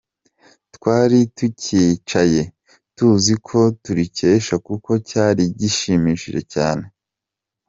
Twari tucyicaye tuzi ko turikesha kuko cyari gishimishije cyane.